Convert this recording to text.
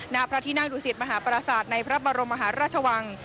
ณพระที่นั่งดุสิตมหาปราศาสตร์ในพระบรมมหาราชวัง